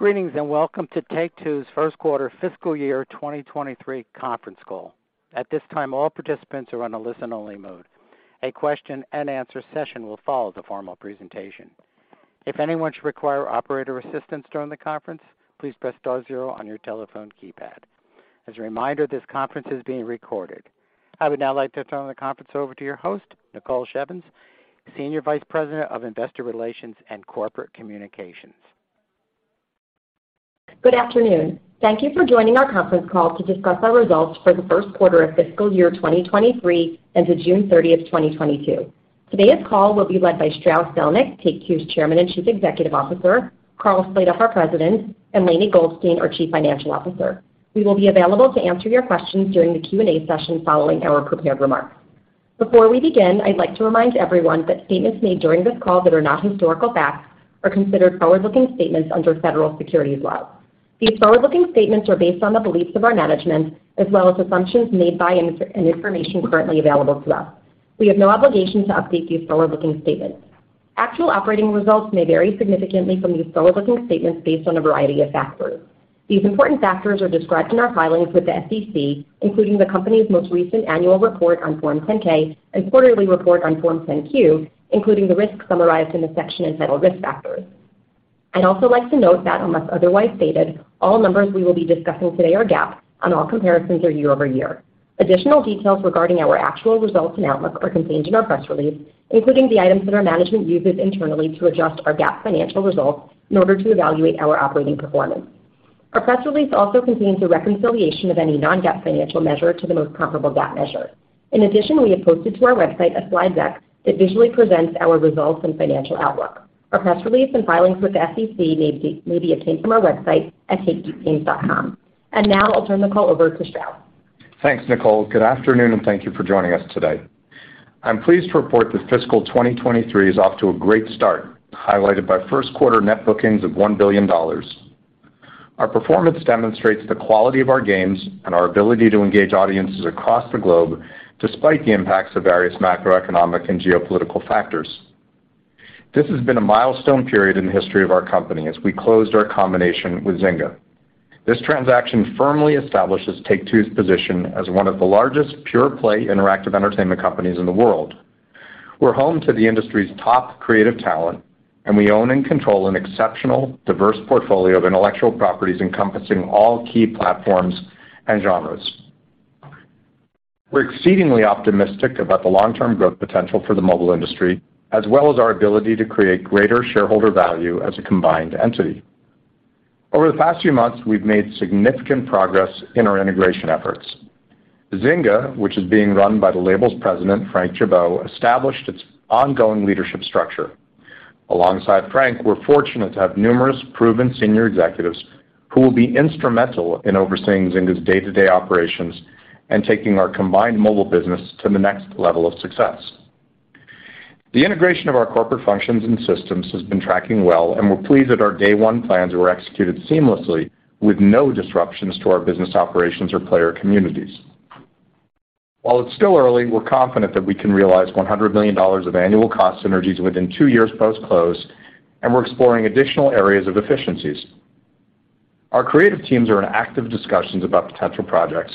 Greetings, and welcome to Take-Two's first quarter fiscal year 2023 conference call. At this time, all participants are on a listen-only mode. A question and answer session will follow the formal presentation. If anyone should require operator assistance during the conference, please press star zero on your telephone keypad. As a reminder, this conference is being recorded. I would now like to turn the conference over to your host, Nicole Shevins, Senior Vice President of Investor Relations and Corporate Communications. Good afternoon. Thank you for joining our conference call to discuss our results for the first quarter of fiscal year 2023 ended June 30, 2022. Today's call will be led by Strauss Zelnick, Take-Two's Chairman and Chief Executive Officer, Karl Slatoff, our President, and Lainie Goldstein, our Chief Financial Officer. We will be available to answer your questions during the Q&A session following our prepared remarks. Before we begin, I'd like to remind everyone that statements made during this call that are not historical facts are considered forward-looking statements under federal securities laws. These forward-looking statements are based on the beliefs of our management as well as assumptions made by and information currently available to us. We have no obligation to update these forward-looking statements. Actual operating results may vary significantly from these forward-looking statements based on a variety of factors. These important factors are described in our filings with the SEC, including the company's most recent annual report on Form 10-K and quarterly report on Form 10-Q, including the risks summarized in the section entitled Risk Factors. I'd also like to note that unless otherwise stated, all numbers we will be discussing today are GAAP, and all comparisons are year-over-year. Additional details regarding our actual results and outlook are contained in our press release, including the items that our management uses internally to adjust our GAAP financial results in order to evaluate our operating performance. Our press release also contains a reconciliation of any non-GAAP financial measure to the most comparable GAAP measure. In addition, we have posted to our website a slide deck that visually presents our results and financial outlook. Our press release and filings with the SEC may be obtained from our website at take2games.com. Now I'll turn the call over to Strauss. Thanks, Nicole. Good afternoon, and thank you for joining us today. I'm pleased to report that fiscal 2023 is off to a great start, highlighted by first quarter net bookings of $1 billion. Our performance demonstrates the quality of our games and our ability to engage audiences across the globe despite the impacts of various macroeconomic and geopolitical factors. This has been a milestone period in the history of our company as we closed our combination with Zynga. This transaction firmly establishes Take-Two's position as one of the largest pure play interactive entertainment companies in the world. We're home to the industry's top creative talent, and we own and control an exceptional, diverse portfolio of intellectual properties encompassing all key platforms and genres. We're exceedingly optimistic about the long-term growth potential for the mobile industry, as well as our ability to create greater shareholder value as a combined entity. Over the past few months, we've made significant progress in our integration efforts. Zynga, which is being run by the label's president, Frank Gibeau, established its ongoing leadership structure. Alongside Frank, we're fortunate to have numerous proven senior executives who will be instrumental in overseeing Zynga's day-to-day operations and taking our combined mobile business to the next level of success. The integration of our corporate functions and systems has been tracking well, and we're pleased that our day one plans were executed seamlessly with no disruptions to our business operations or player communities. While it's still early, we're confident that we can realize $100 million of annual cost synergies within two years post-close, and we're exploring additional areas of efficiencies. Our creative teams are in active discussions about potential projects,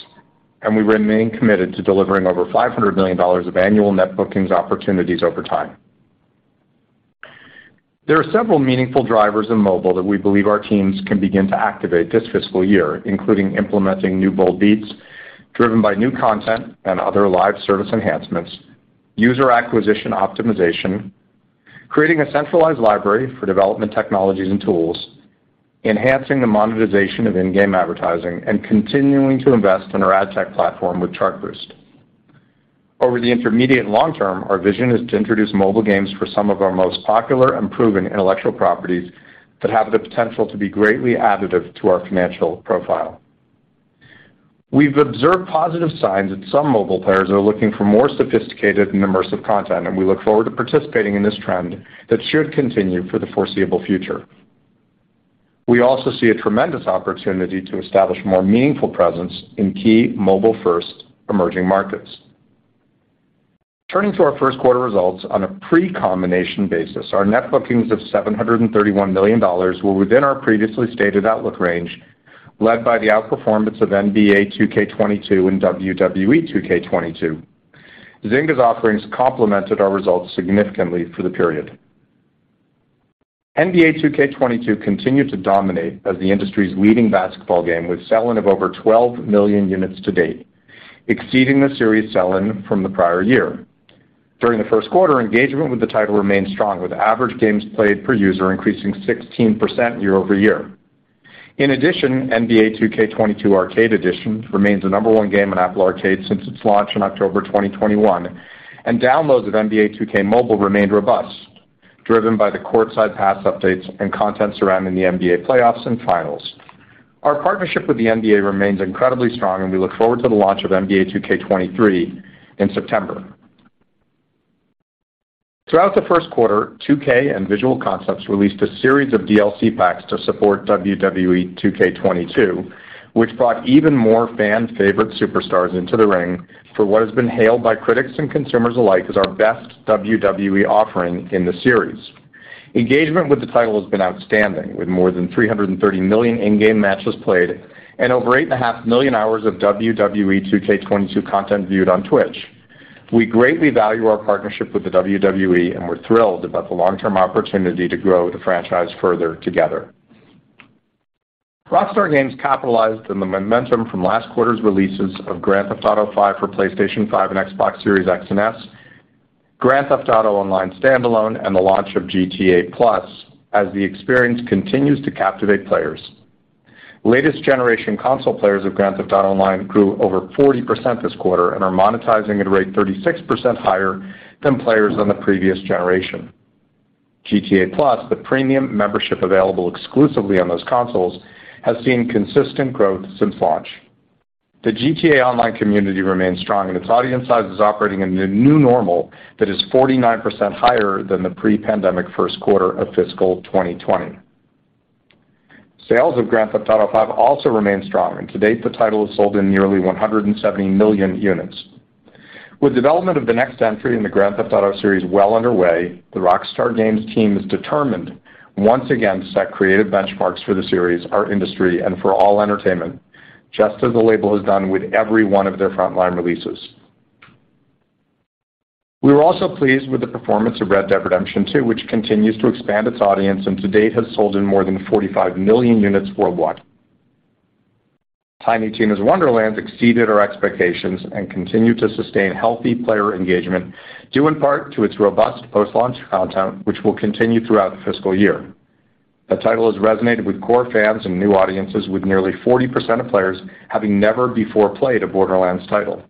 and we remain committed to delivering over $500 million of annual net bookings opportunities over time. There are several meaningful drivers in mobile that we believe our teams can begin to activate this fiscal year, including implementing new bold beats driven by new content and other live service enhancements, user acquisition optimization, creating a centralized library for development technologies and tools, enhancing the monetization of in-game advertising, and continuing to invest in our ad tech platform with Chartboost. Over the intermediate long term, our vision is to introduce mobile games for some of our most popular and proven intellectual properties that have the potential to be greatly additive to our financial profile. We've observed positive signs that some mobile players are looking for more sophisticated and immersive content, and we look forward to participating in this trend that should continue for the foreseeable future. We also see a tremendous opportunity to establish more meaningful presence in key mobile-first emerging markets. Turning to our first quarter results on a pre-combination basis, our net bookings of $731 million were within our previously stated outlook range, led by the outperformance of NBA 2K22 and WWE 2K22. Zynga's offerings complemented our results significantly for the period. NBA 2K22 continued to dominate as the industry's leading basketball game with sell-in of over 12 million units to date, exceeding the series sell-in from the prior year. During the first quarter, engagement with the title remained strong, with average games played per user increasing 16% year-over-year. In addition, NBA 2K22 Arcade Edition remains the number one game on Apple Arcade since its launch in October 2021, and downloads of NBA 2K Mobile remained robust, driven by the Courtside Pass updates and content surrounding the NBA playoffs and finals. Our partnership with the NBA remains incredibly strong, and we look forward to the launch of NBA 2K23 in September. Throughout the first quarter, 2K and Visual Concepts released a series of DLC packs to support WWE 2K22, which brought even more fan favorite superstars into the ring for what has been hailed by critics and consumers alike as our best WWE offering in the series. Engagement with the title has been outstanding, with more than 330 million in-game matches played and over 8.5 million hours of WWE 2K22 content viewed on Twitch. We greatly value our partnership with the WWE, and we're thrilled about the long-term opportunity to grow the franchise further together. Rockstar Games capitalized on the momentum from last quarter's releases of Grand Theft Auto V for PlayStation 5 and Xbox Series X and S, Grand Theft Auto Online standalone, and the launch of GTA+, as the experience continues to captivate players. Latest generation console players of Grand Theft Auto Online grew over 40% this quarter and are monetizing at a rate 36% higher than players on the previous generation. GTA+, the premium membership available exclusively on those consoles, has seen consistent growth since launch. The GTA Online community remains strong, and its audience size is operating in the new normal that is 49% higher than the pre-pandemic first quarter of fiscal 2020. Sales of Grand Theft Auto V also remain strong. To date, the title has sold nearly 170 million units. With development of the next entry in the Grand Theft Auto series well underway, the Rockstar Games team is determined once again to set creative benchmarks for the series, our industry, and for all entertainment, just as the label has done with every one of their frontline releases. We were also pleased with the performance of Red Dead Redemption 2, which continues to expand its audience, and to date has sold in more than 45 million units worldwide. Tiny Tina's Wonderlands exceeded our expectations and continued to sustain healthy player engagement, due in part to its robust post-launch content, which will continue throughout the fiscal year. The title has resonated with core fans and new audiences, with nearly 40% of players having never before played a Borderlands title.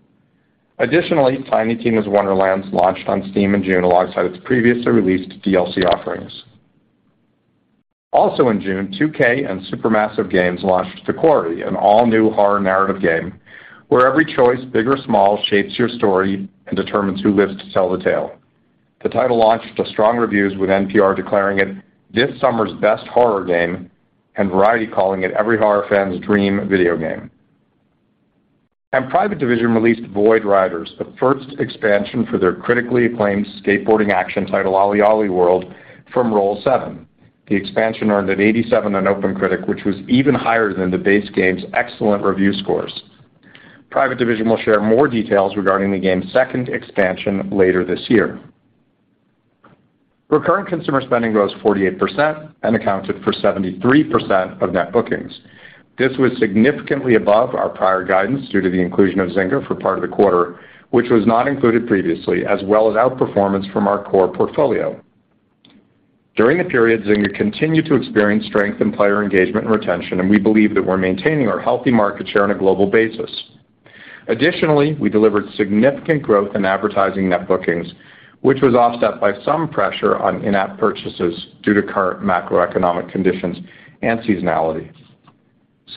Additionally, Tiny Tina's Wonderlands launched on Steam in June alongside its previously released DLC offerings. Also in June, 2K and Supermassive Games launched The Quarry, an all-new horror narrative game where every choice, big or small, shapes your story and determines who lives to tell the tale. The title launched to strong reviews, with NPR declaring it this summer's best horror game, and Variety calling it every horror fan's dream video game. Private Division released Void Riders, the first expansion for their critically acclaimed skateboarding action title, OlliOlli World, from Roll7. The expansion earned an 87 on OpenCritic, which was even higher than the base game's excellent review scores. Private Division will share more details regarding the game's second expansion later this year. Recurrent consumer spending rose 48% and accounted for 73% of net bookings. This was significantly above our prior guidance due to the inclusion of Zynga for part of the quarter, which was not included previously, as well as outperformance from our core portfolio. During the period, Zynga continued to experience strength in player engagement and retention, and we believe that we're maintaining our healthy market share on a global basis. Additionally, we delivered significant growth in advertising net bookings, which was offset by some pressure on in-app purchases due to current macroeconomic conditions and seasonality.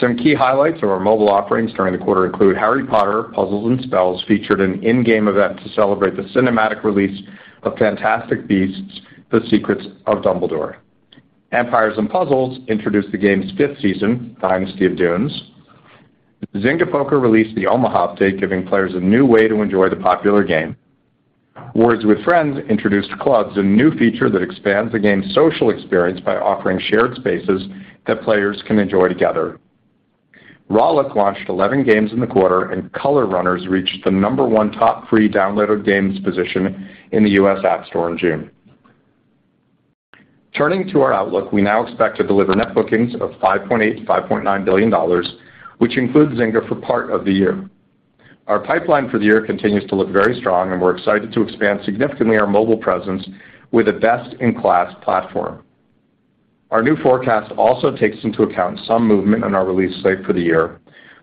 Some key highlights of our mobile offerings during the quarter include Harry Potter: Puzzles & Spells featured an in-game event to celebrate the cinematic release of Fantastic Beasts: The Secrets of Dumbledore. Empires & Puzzles introduced the game's fifth season, Dynasty of Dunes. Zynga Poker released the Omaha update, giving players a new way to enjoy the popular game. Words with Friends introduced Clubs, a new feature that expands the game's social experience by offering shared spaces that players can enjoy together. Rollic launched 11 games in the quarter, and Colors Runners reached the number one top free downloaded games position in the U.S. App Store in June. Turning to our outlook, we now expect to deliver net bookings of $5.8 billion-$5.9 billion, which includes Zynga for part of the year. Our pipeline for the year continues to look very strong, and we're excited to expand significantly our mobile presence with a best-in-class platform. Our new forecast also takes into account some movement on our release slate for the year,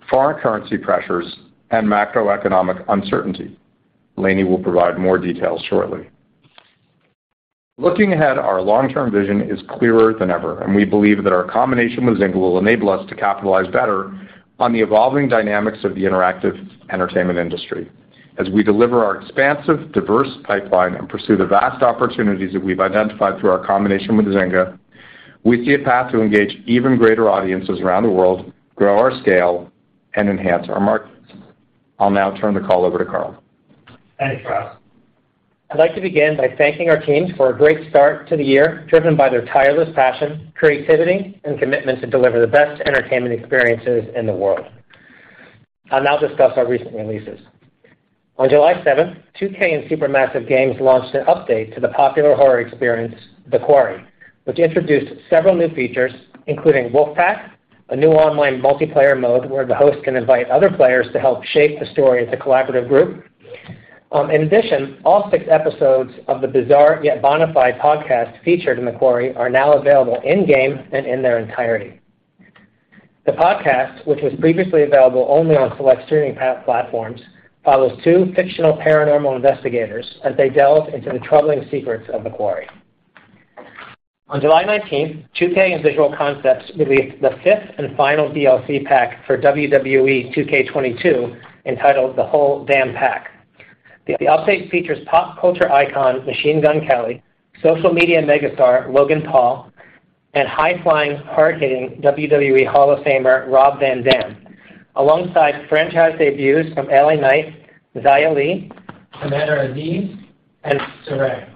foreign currency pressures, and macroeconomic uncertainty. Laney will provide more details shortly. Looking ahead, our long-term vision is clearer than ever, and we believe that our combination with Zynga will enable us to capitalize better on the evolving dynamics of the interactive entertainment industry. As we deliver our expansive, diverse pipeline and pursue the vast opportunities that we've identified through our combination with Zynga, we see a path to engage even greater audiences around the world, grow our scale, and enhance our markets. I'll now turn the call over to Karl. Thanks, Strauss. I'd like to begin by thanking our teams for a great start to the year, driven by their tireless passion, creativity, and commitment to deliver the best entertainment experiences in the world. I'll now discuss our recent releases. On July 7, 2K and Supermassive Games launched an update to the popular horror experience, The Quarry, which introduced several new features, including Wolf Pack, a new online multiplayer mode where the host can invite other players to help shape the story as a collaborative group. In addition, all 6 episodes of the bizarre yet bona fide podcast featured in The Quarry are now available in-game and in their entirety. The podcast, which was previously available only on select streaming platforms, follows two fictional paranormal investigators as they delve into the troubling secrets of The Quarry. On July 19, 2K and Visual Concepts released the fifth and final DLC pack for WWE 2K22, entitled The Whole Dam Pack. The update features pop culture icon Machine Gun Kelly, social media megastar Logan Paul, and high-flying, hard-hitting WWE Hall of Famer Rob Van Dam, alongside franchise debuts from LA Knight, Xia Li, Commander Azeez, and Sarray.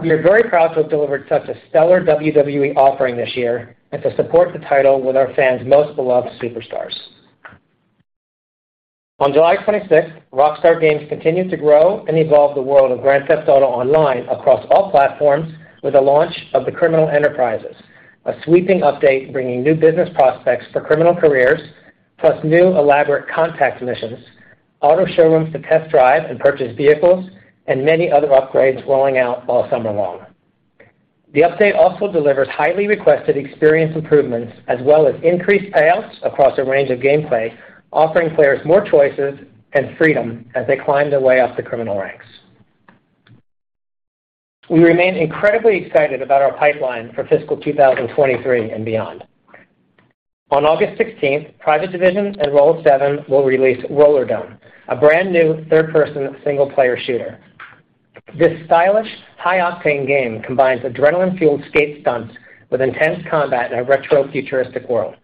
We are very proud to have delivered such a stellar WWE offering this year and to support the title with our fans' most beloved superstars. On July 26, Rockstar Games continued to grow and evolve the world of Grand Theft Auto Online across all platforms with the launch of The Criminal Enterprises, a sweeping update bringing new business prospects for criminal careers, plus new elaborate contact missions, auto showrooms to test drive and purchase vehicles, and many other upgrades rolling out all summer long. The update also delivers highly requested experience improvements as well as increased payouts across a range of gameplay, offering players more choices and freedom as they climb their way up the criminal ranks. We remain incredibly excited about our pipeline for fiscal 2023 and beyond. On August 16th, Private Division and Roll7 will release Rollerdrome, a brand-new third-person single-player shooter. This stylish, high-octane game combines adrenaline-fueled skate stunts with intense combat in a retro-futuristic world.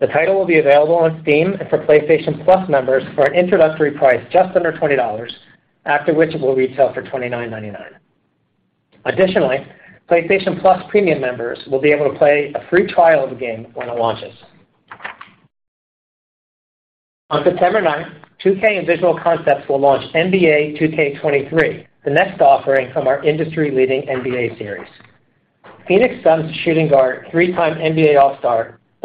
The title will be available on Steam and for PlayStation Plus members for an introductory price just under $20, after which it will retail for $29.99. Additionally, PlayStation Plus Premium members will be able to play a free trial of the game when it launches. On September 9th, 2K and Visual Concepts will launch NBA 2K23, the next offering from our industry-leading NBA series. Phoenix Suns shooting guard, three-time NBA All-Star,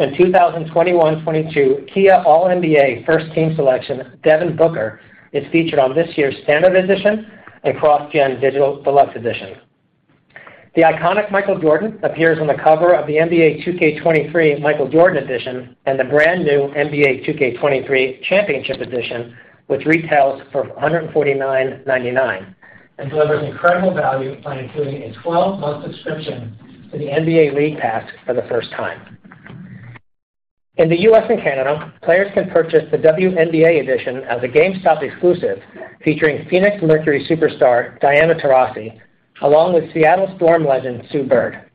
and 2021/2022 Kia All-NBA first team selection Devin Booker is featured on this year's Standard Edition and cross-gen Digital Deluxe Edition. The iconic Michael Jordan appears on the cover of the NBA 2K23 Michael Jordan Edition and the brand-new NBA 2K23 Championship Edition, which retails for $149.99 and delivers incredible value by including a 12-month subscription to the NBA League Pass for the first time. In the U.S. and Canada, players can purchase the WNBA Edition as a GameStop exclusive featuring Phoenix Mercury superstar Diana Taurasi, along with Seattle Storm legend Sue Bird.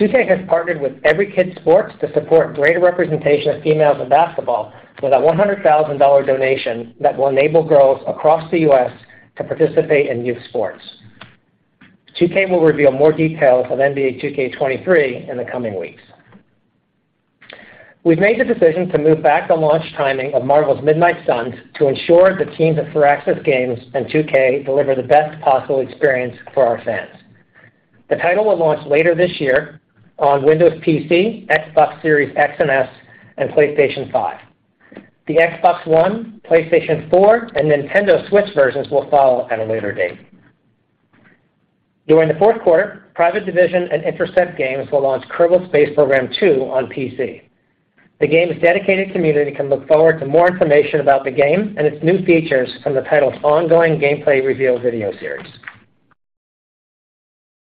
2K has partnered with Every Kid Sports to support greater representation of females in basketball with a $100,000 donation that will enable girls across the U.S. to participate in youth sports. 2K will reveal more details of NBA 2K23 in the coming weeks. We've made the decision to move back the launch timing of Marvel's Midnight Suns to ensure the teams at Firaxis Games and 2K deliver the best possible experience for our fans. The title will launch later this year on Windows PC, Xbox Series X and S, and PlayStation 5. The Xbox One, PlayStation 4, and Nintendo Switch versions will follow at a later date. During the fourth quarter, Private Division and Intercept Games will launch Kerbal Space Program 2 on PC. The game's dedicated community can look forward to more information about the game and its new features from the title's ongoing gameplay reveal video series.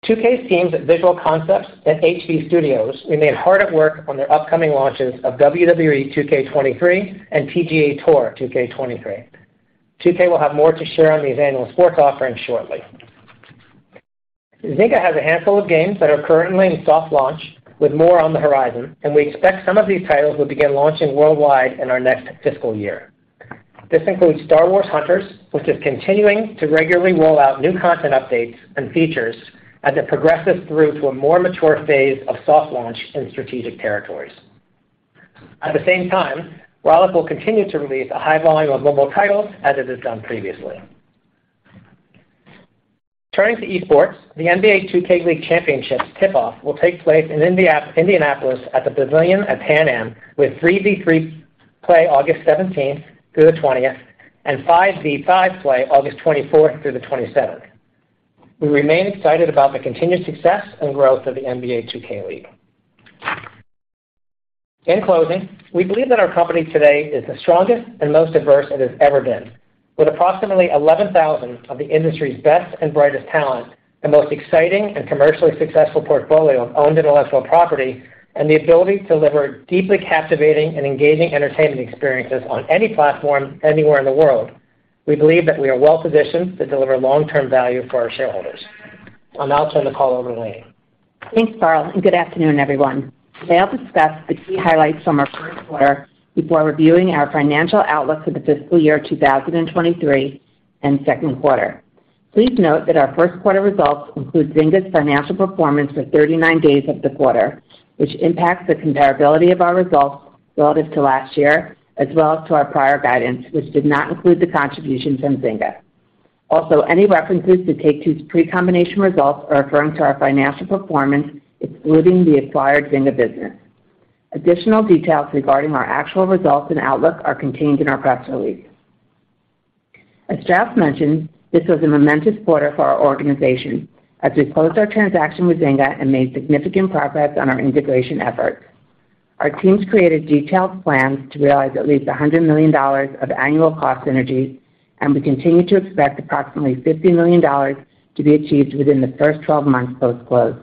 2K's teams at Visual Concepts and HB Studios remain hard at work on their upcoming launches of WWE 2K23 and PGA TOUR 2K23. 2K will have more to share on these annual sports offerings shortly. Zynga has a handful of games that are currently in soft launch with more on the horizon, and we expect some of these titles will begin launching worldwide in our next fiscal year. This includes Star Wars: Hunters, which is continuing to regularly roll out new content updates and features as it progresses through to a more mature phase of soft launch in strategic territories. At the same time, Rollic will continue to release a high volume of mobile titles as it has done previously. Turning to esports, the NBA 2K League championships tip-off will take place in Indianapolis at the Pavilion at Pan Am, with 3-v-3 play August 17th through the 20th and 5-v-5 play August 24th through the 27th. We remain excited about the continued success and growth of the NBA 2K League. In closing, we believe that our company today is the strongest and most diverse it has ever been. With approximately 11,000 of the industry's best and brightest talent, the most exciting and commercially successful portfolio of owned intellectual property, and the ability to deliver deeply captivating and engaging entertainment experiences on any platform anywhere in the world, we believe that we are well positioned to deliver long-term value for our shareholders. I'll now turn the call over to Lainie. Thanks, Karl Slatoff, and good afternoon, everyone. Today, I'll discuss the key highlights from our first quarter before reviewing our financial outlook for the fiscal year 2023 and second quarter. Please note that our first quarter results include Zynga's financial performance for 39 days of the quarter, which impacts the comparability of our results relative to last year, as well as to our prior guidance, which did not include the contributions from Zynga. Also, any references to Take-Two's pre-combination results are referring to our financial performance excluding the acquired Zynga business. Additional details regarding our actual results and outlook are contained in our press release. As Strauss Zelnick mentioned, this was a momentous quarter for our organization as we closed our transaction with Zynga and made significant progress on our integration efforts. Our teams created detailed plans to realize at least $100 million of annual cost synergies, and we continue to expect approximately $50 million to be achieved within the first 12 months post-close.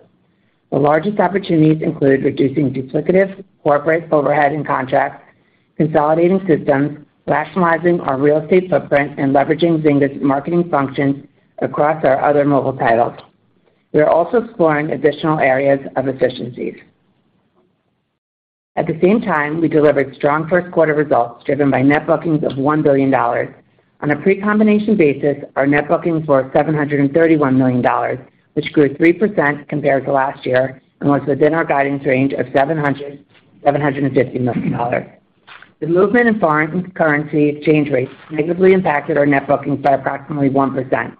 The largest opportunities include reducing duplicative corporate overhead and contracts, consolidating systems, rationalizing our real estate footprint, and leveraging Zynga's marketing functions across our other mobile titles. We are also exploring additional areas of efficiencies. At the same time, we delivered strong first quarter results driven by net bookings of $1 billion. On a pre-combination basis, our net bookings were $731 million, which grew 3% compared to last year and was within our guidance range of $700-$750 million. The movement in foreign currency exchange rates negatively impacted our net bookings by approximately 1%.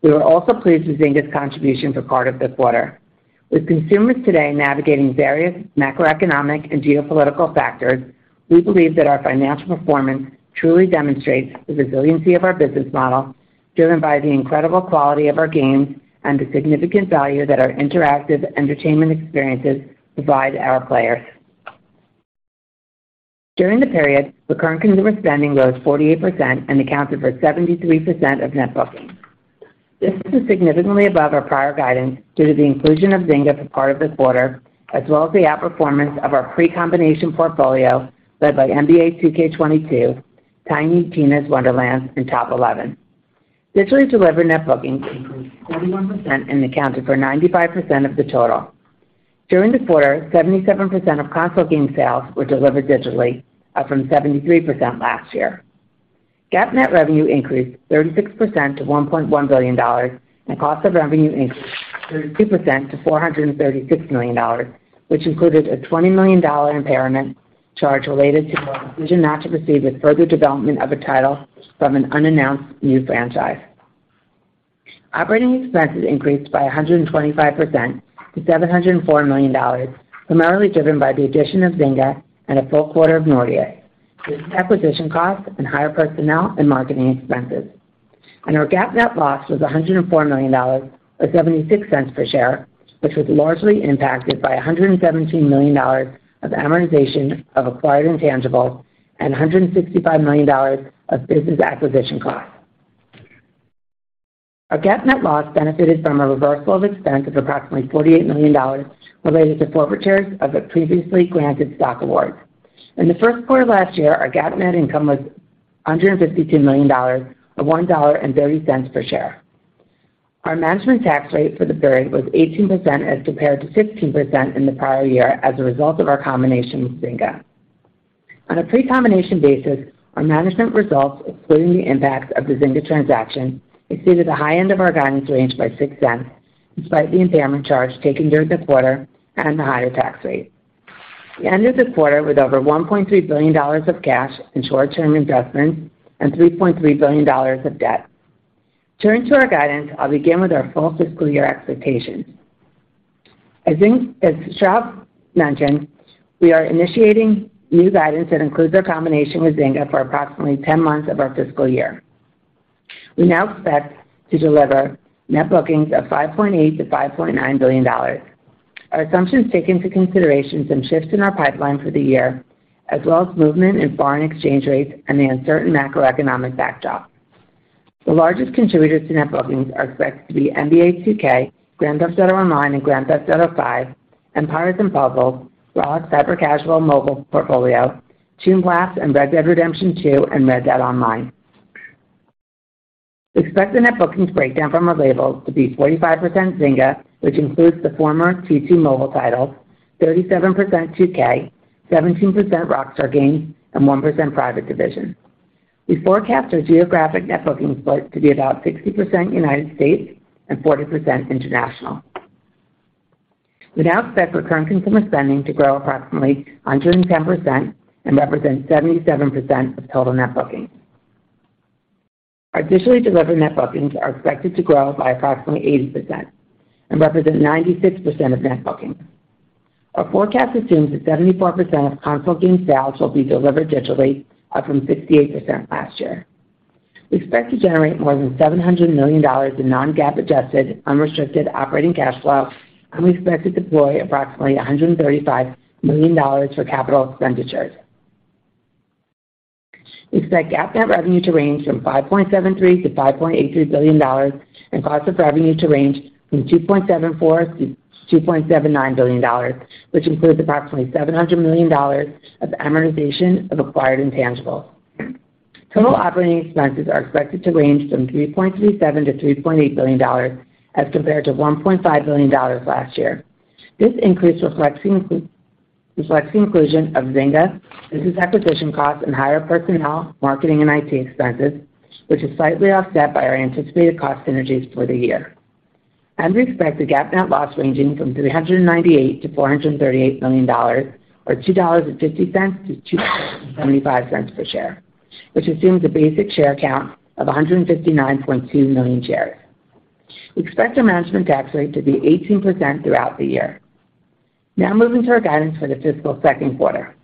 We were also pleased with Zynga's contribution for part of this quarter. With consumers today navigating various macroeconomic and geopolitical factors, we believe that our financial performance truly demonstrates the resiliency of our business model, driven by the incredible quality of our games and the significant value that our interactive entertainment experiences provide to our players. During the period, recurrent consumer spending rose 48% and accounted for 73% of net bookings. This is significantly above our prior guidance due to the inclusion of Zynga for part of this quarter, as well as the outperformance of our pre-combination portfolio led by NBA 2K22, Tiny Tina's Wonderlands, and Top Eleven. Digitally delivered net bookings increased 41% and accounted for 95% of the total. During the quarter, 77% of console game sales were delivered digitally, up from 73% last year. GAAP net revenue increased 36% to $1.1 billion, and cost of revenue increased 32% to $436 million, which included a $20 million impairment charge related to our decision not to proceed with further development of a title from an unannounced new franchise. Operating expenses increased by 125% to $704 million, primarily driven by the addition of Zynga and a full quarter of Nordeus, with acquisition costs and higher personnel and marketing expenses. Our GAAP net loss was $104 million, or 76 cents per share, which was largely impacted by $117 million of amortization of acquired intangibles and $165 million of business acquisition costs. Our GAAP net loss benefited from a reversal of expense of approximately $48 million related to forfeitures of a previously granted stock award. In the first quarter last year, our GAAP net income was $152 million, or $1.30 per share. Our management tax rate for the period was 18% as compared to 16% in the prior year as a result of our combination with Zynga. On a pre-combination basis, our management results, excluding the impacts of the Zynga transaction, exceeded the high end of our guidance range by $0.06, despite the impairment charge taken during the quarter and the higher tax rate. We ended the quarter with over $1.3 billion of cash and short-term investments and $3.3 billion of debt. Turning to our guidance, I'll begin with our full fiscal year expectations. As Strauss mentioned, we are initiating new guidance that includes our combination with Zynga for approximately 10 months of our fiscal year. We now expect to deliver net bookings of $5.8 billion-$5.9 billion. Our assumptions take into consideration some shifts in our pipeline for the year as well as movement in foreign exchange rates and the uncertain macroeconomic backdrop. The largest contributors to net bookings are expected to be NBA 2K, Grand Theft Auto Online, and Grand Theft Auto V, Empires & Puzzles, Rollic's hyper-casual mobile portfolio, Toon Blast, and Red Dead Redemption 2, and Red Dead Online. We expect the net bookings breakdown from our labels to be 45% Zynga, which includes the former TT Mobile titles, 37% 2K, 17% Rockstar Games, and 1% Private Division. We forecast our geographic net bookings split to be about 60% United States and 40% international. We now expect recurrent consumer spending to grow approximately 110% and represent 77% of total net bookings. Our digitally delivered net bookings are expected to grow by approximately 80% and represent 96% of net bookings. Our forecast assumes that 74% of console game sales will be delivered digitally, up from 68% last year. We expect to generate more than $700 million in non-GAAP adjusted unrestricted operating cash flow, and we expect to deploy approximately $135 million for capital expenditures. We expect GAAP net revenue to range from $5.73 billion-$5.83 billion and cost of revenue to range from $2.74 billion-$2.79 billion, which includes approximately $700 million of amortization of acquired intangibles. Total operating expenses are expected to range from $3.37 billion-$3.8 billion as compared to $1.5 billion last year. This increase reflects the inclusion of Zynga, business acquisition costs, and higher personnel, marketing, and IT expenses, which is slightly offset by our anticipated cost synergies for the year. We expect a GAAP net loss ranging from $398 million-$438 million or $2.50-$2.75 per share, which assumes a basic share count of 159.2 million shares. We expect our effective tax rate to be 18% throughout the year. Now moving to our guidance for the fiscal second quarter.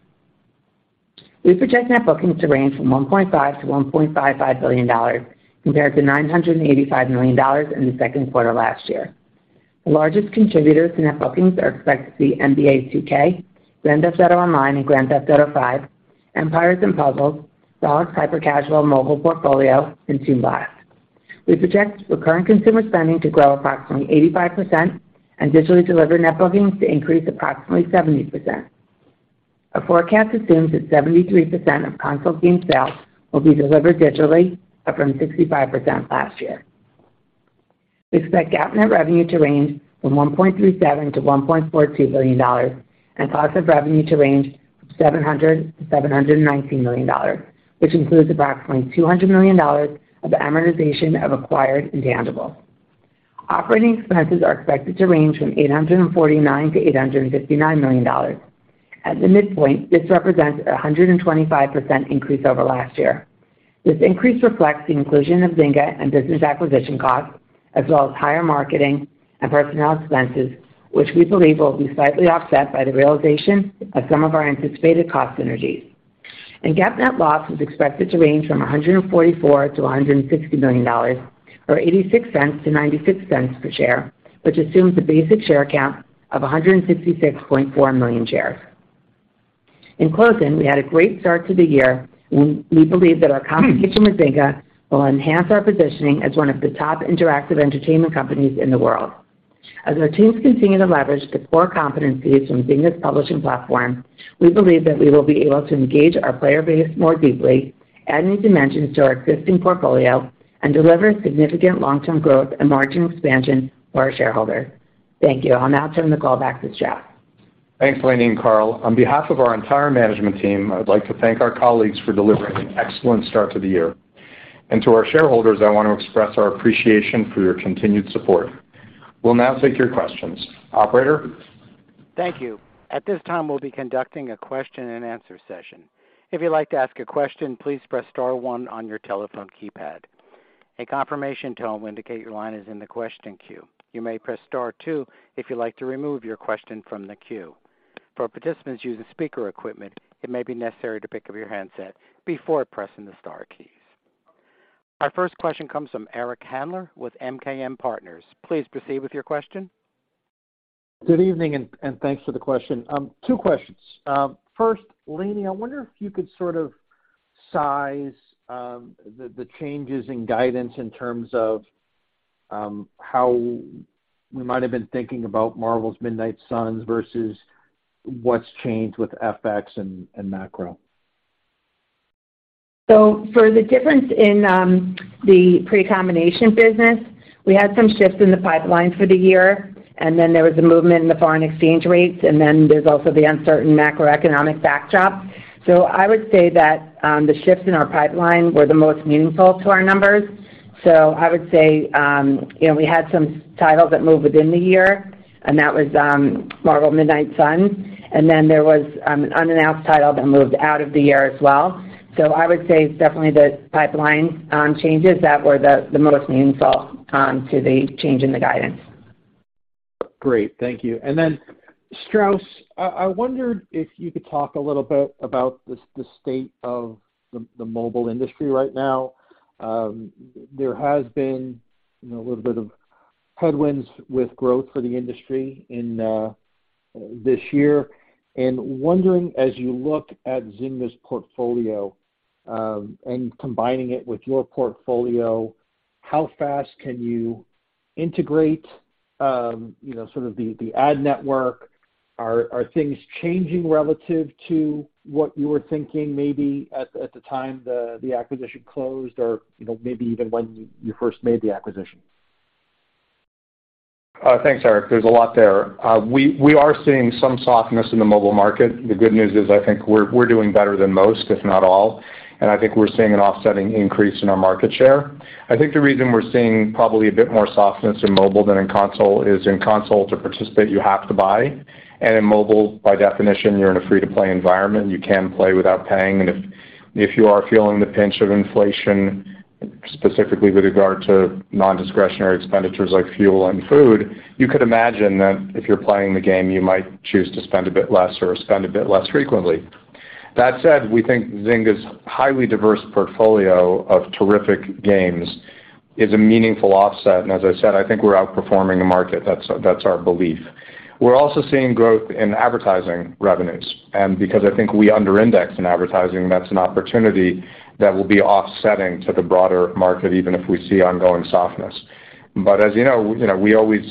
We project net bookings to range from $1.5 billion-$1.55 billion compared to $985 million in the second quarter last year. The largest contributors to net bookings are expected to be NBA 2K, Grand Theft Auto Online and Grand Theft Auto V, Empires & Puzzles, Rollic's hyper-casual mobile portfolio, and Toon Blast. We project recurring consumer spending to grow approximately 85% and digitally delivered net bookings to increase approximately 70%. Our forecast assumes that 73% of console game sales will be delivered digitally, up from 65% last year. We expect GAAP net revenue to range from $1.37 billion-$1.42 billion and cost of revenue to range from $700 million-$719 million, which includes approximately $200 million of amortization of acquired intangibles. Operating expenses are expected to range from $849 million-$859 million. At the midpoint, this represents a 125% increase over last year. This increase reflects the inclusion of Zynga and business acquisition costs, as well as higher marketing and personnel expenses, which we believe will be slightly offset by the realization of some of our anticipated cost synergies. GAAP net loss is expected to range from $144 million-$160 million, or $0.86-$0.96 per share, which assumes a basic share count of 166.4 million shares. In closing, we had a great start to the year, and we believe that our combination with Zynga will enhance our positioning as one of the top interactive entertainment companies in the world. As our teams continue to leverage the core competencies in Zynga's publishing platform, we believe that we will be able to engage our player base more deeply, add new dimensions to our existing portfolio, and deliver significant long-term growth and margin expansion for our shareholders. Thank you. I'll now turn the call back to Strauss. Thanks, Lainie and Karl. On behalf of our entire management team, I would like to thank our colleagues for delivering an excellent start to the year. To our shareholders, I want to express our appreciation for your continued support. We'll now take your questions. Operator? Thank you. At this time, we'll be conducting a question-and-answer session. If you'd like to ask a question, please press star one on your telephone keypad. A confirmation tone will indicate your line is in the question queue. You may press star two if you'd like to remove your question from the queue. For participants using speaker equipment, it may be necessary to pick up your handset before pressing the star keys. Our first question comes from Eric Handler with MKM Partners. Please proceed with your question. Good evening, and thanks for the question. Two questions. First, Lainie, I wonder if you could sort of size the changes in guidance in terms of how we might have been thinking about Marvel's Midnight Suns versus what's changed with FX and macro. For the difference in the pre-combination business, we had some shifts in the pipeline for the year, and then there was a movement in the foreign exchange rates, and then there's also the uncertain macroeconomic backdrop. I would say that the shifts in our pipeline were the most meaningful to our numbers. I would say, you know, we had some titles that moved within the year, and that was Marvel's Midnight Suns. Then there was an unannounced title that moved out of the year as well. I would say it's definitely the pipeline changes that were the most meaningful to the change in the guidance. Great. Thank you. Strauss, I wondered if you could talk a little bit about the state of the mobile industry right now. There has been, you know, a little bit of headwinds with growth for the industry in this year. Wondering, as you look at Zynga's portfolio, and combining it with your portfolio, how fast can you integrate, you know, sort of the ad network? Are things changing relative to what you were thinking maybe at the time the acquisition closed or, you know, maybe even when you first made the acquisition? Thanks, Eric. There's a lot there. We are seeing some softness in the mobile market. The good news is I think we're doing better than most, if not all, and I think we're seeing an offsetting increase in our market share. I think the reason we're seeing probably a bit more softness in mobile than in console is in console to participate, you have to buy. In mobile, by definition, you're in a free-to-play environment, you can play without paying. If you are feeling the pinch of inflation, specifically with regard to nondiscretionary expenditures like fuel and food, you could imagine that if you're playing the game, you might choose to spend a bit less or spend a bit less frequently. That said, we think Zynga's highly diverse portfolio of terrific games is a meaningful offset. I said, I think we're outperforming the market. That's our belief. We're also seeing growth in advertising revenues. Because I think we under index in advertising, that's an opportunity that will be offsetting to the broader market, even if we see ongoing softness. But as you know, we always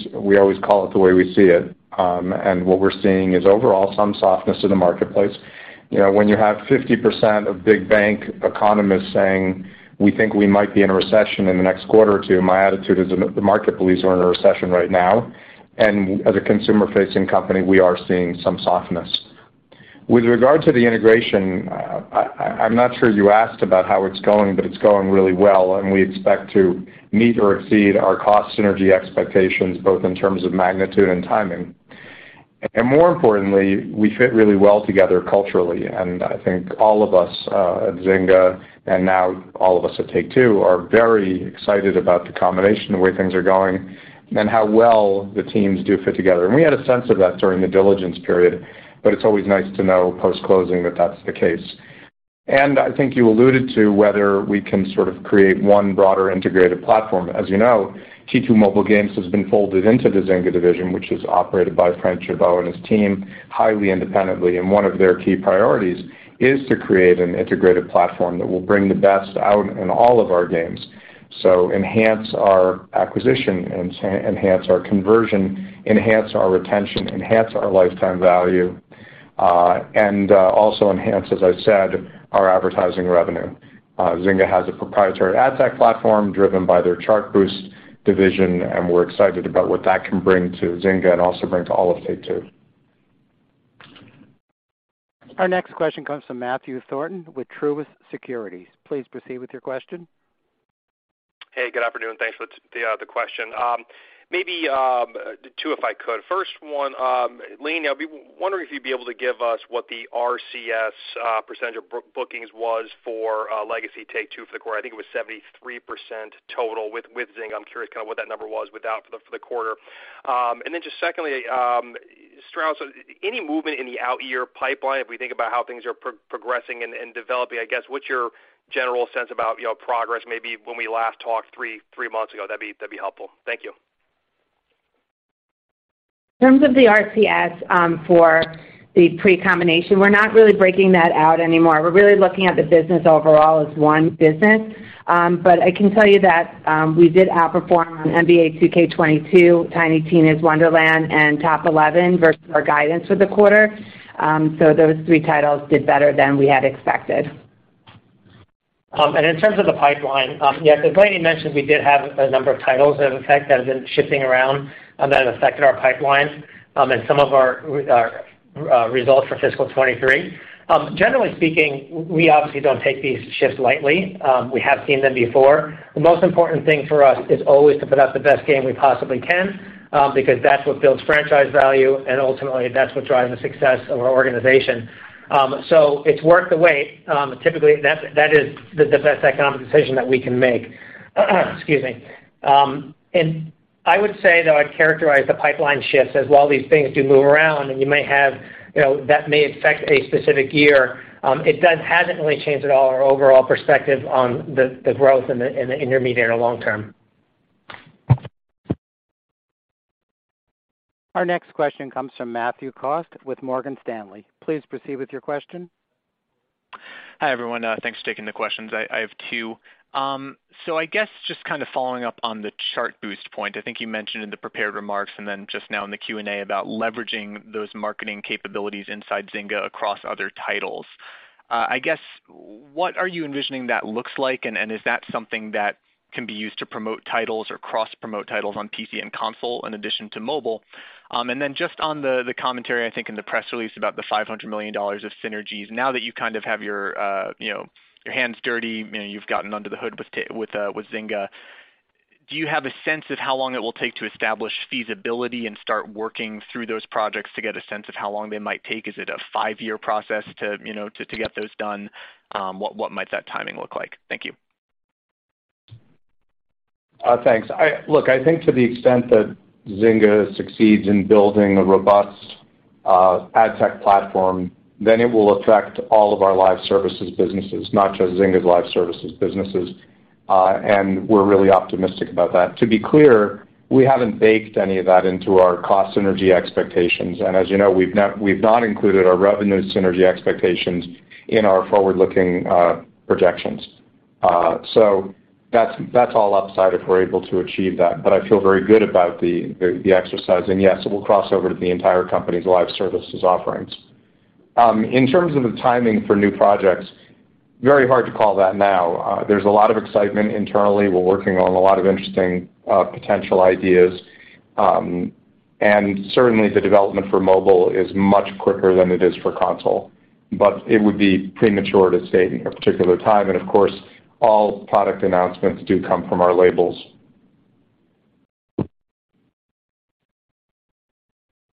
call it the way we see it. What we're seeing is overall some softness in the marketplace. You know, when you have 50% of big bank economists saying, "We think we might be in a recession in the next quarter or two," my attitude is the market believes we're in a recession right now. As a consumer-facing company, we are seeing some softness. With regard to the integration, I'm not sure you asked about how it's going, but it's going really well, and we expect to meet or exceed our cost synergy expectations, both in terms of magnitude and timing. More importantly, we fit really well together culturally. I think all of us at Zynga and now all of us at Take-Two are very excited about the combination, the way things are going, and how well the teams do fit together. We had a sense of that during the diligence period, but it's always nice to know post-closing that that's the case. I think you alluded to whether we can sort of create one broader integrated platform. As you know, T2 Mobile Games has been folded into the Zynga division, which is operated by Frank Gibeau and his team highly independently, and one of their key priorities is to create an integrated platform that will bring the best out in all of our games. Enhance our acquisition and enhance our conversion, enhance our retention, enhance our lifetime value, and also enhance, as I said, our advertising revenue. Zynga has a proprietary ad tech platform driven by their Chartboost division, and we're excited about what that can bring to Zynga and also bring to all of Take-Two. Our next question comes from Matthew Thorn with Truist Securities. Please proceed with your question. Hey, good afternoon. Thanks for the question. Maybe two if I could. First one, Lainie, I was wondering if you'd be able to give us what the RCS percentage of bookings was for legacy Take-Two for the quarter. I think it was 73% total with Zynga. I'm curious kind of what that number was without for the quarter. And then just secondly, Strauss, any movement in the out-year pipeline, if we think about how things are progressing and developing, I guess, what's your general sense about, you know, progress maybe when we last talked three months ago? That'd be helpful. Thank you. In terms of the RCS, for the pre-combination, we're not really breaking that out anymore. We're really looking at the business overall as one business. I can tell you that we did outperform on NBA 2K22, Tiny Tina's Wonderlands, and Top Eleven versus our guidance for the quarter. Those three titles did better than we had expected. In terms of the pipeline, yes, as Lainie mentioned, we did have a number of titles that have been shifting around, that have affected our pipeline, and some of our results for fiscal 2023. Generally speaking, we obviously don't take these shifts lightly. We have seen them before. The most important thing for us is always to put out the best game we possibly can, because that's what builds franchise value, and ultimately, that's what drives the success of our organization. It's worth the wait. Typically, that is the best economic decision that we can make. Excuse me. I would say, though, I'd characterize the pipeline shifts as while these things do move around and you know, that may affect a specific year, it hasn't really changed at all our overall perspective on the growth in the intermediate or long term. Our next question comes from Matthew Cost with Morgan Stanley. Please proceed with your question. Hi, everyone. Thanks for taking the questions. I have two. I guess just kind of following up on the Chartboost point. I think you mentioned in the prepared remarks and then just now in the Q&A about leveraging those marketing capabilities inside Zynga across other titles. I guess what are you envisioning that looks like? And is that something that can be used to promote titles or cross-promote titles on PC and console in addition to mobile? And then just on the commentary, I think in the press release about the $500 million of synergies. Now that you kind of have your, you know, your hands dirty, you know, you've gotten under the hood with Zynga, do you have a sense of how long it will take to establish feasibility and start working through those projects to get a sense of how long they might take? Is it a five-year process to, you know, to get those done? What might that timing look like? Thank you. Thanks. Look, I think to the extent that Zynga succeeds in building a robust ad tech platform, then it will attract all of our live services businesses, not just Zynga's live services businesses. We're really optimistic about that. To be clear, we haven't baked any of that into our cost synergy expectations. As you know, we've not included our revenue synergy expectations in our forward-looking projections. That's all upside if we're able to achieve that. I feel very good about the exercise. Yes, it will cross over to the entire company's live services offerings. In terms of the timing for new projects, very hard to call that now. There's a lot of excitement internally. We're working on a lot of interesting potential ideas. Certainly the development for mobile is much quicker than it is for console. It would be premature to state a particular time and of course, all product announcements do come from our labels.